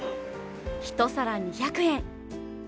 一皿２００円。